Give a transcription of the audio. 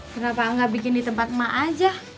kenapa enggak bikin di tempat mak aja